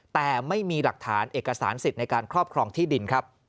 แต่ไม่มีหลักฐานเอกสารสิทธิ์ในการครอบครองที่ดินครับ